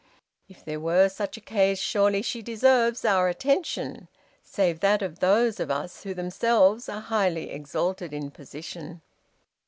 If there were such a case, surely she deserves our attention, save that of those of us who themselves are highly exalted in position."